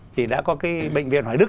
thì đã có cái bệnh viện hoài đức